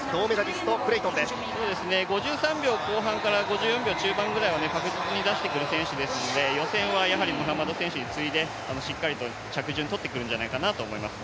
５３秒後半から５４秒中盤ぐらいは確実に出してくる選手ですので予選はやはりムハマド選手に次いでしっかりと着順とってくるんじゃないかなと思います。